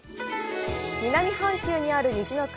南半球にある「虹の国」